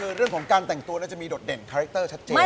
คือเรื่องของการแต่งตัวน่าจะมีโดดเด่นคาแรคเตอร์ชัดเจน